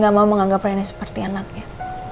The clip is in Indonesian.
gak mau menganggap reni seperti anaknya